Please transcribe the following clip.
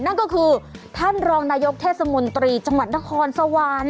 นั่นก็คือท่านรองนายกเทศมนตรีจังหวัดนครสวรรค์